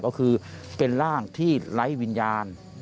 ก็คือเป็นร่างที่ไร้วิญญาณ